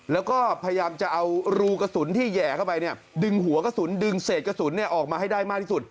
แล้วก็พยายามจะเอารูกระสุนที่แห่เข้าไปดึงหัวกระสุนดึงเศษกระสุนออกมาให้ได้มากที่สุด